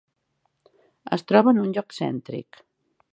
Es troba en un lloc cèntric.